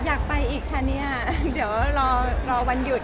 อยากไปอีกคะเนี่ยเดี๋ยวรอวันหยุด